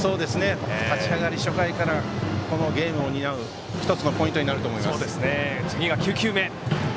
立ち上がり、初回からこのゲームを担う１つのポイントになると思います。